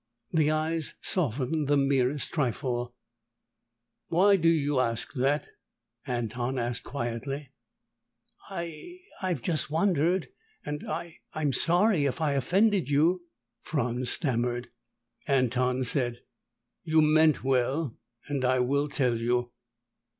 The eyes softened the merest trifle. "Why do you ask that?" Anton asked quietly. "I I've just wondered, and I I'm sorry if I offended you," Franz stammered. Anton said, "You meant well and I will tell you.